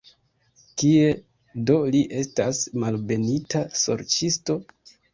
Kie do li estas, malbenita sorĉisto?